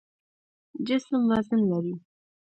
جسم وزن لري.